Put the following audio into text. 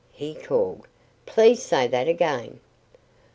he called. "Please say that again!"